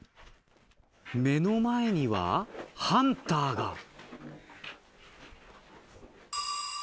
目の前にはハンターが。